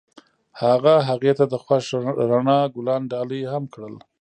هغه هغې ته د خوښ رڼا ګلان ډالۍ هم کړل.